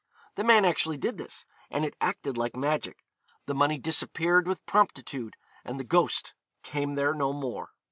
The man actually did this, and it acted like magic. The money disappeared with promptitude, and the ghost came there no more.